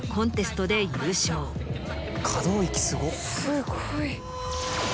すごい。